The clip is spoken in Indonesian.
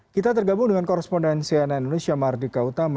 kita tergabung dengan korrespondensi an indonesia mardika utama